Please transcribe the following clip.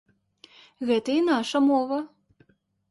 Гэта і наша мова.